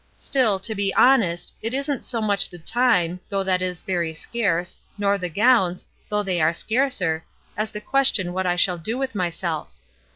Still, to be honest, it isn't so much the time — though that is very scarce, nor the gowns — though they are scarcer — as the question what I shall do with myself.